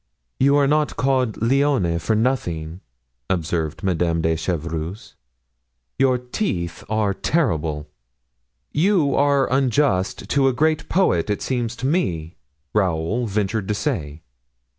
"You are not called 'Lionne' for nothing," observed Madame de Chevreuse, "your teeth are terrible." "You are unjust to a great poet, it seems to me," Raoul ventured to say.